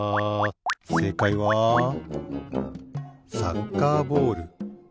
せいかいはサッカーボール。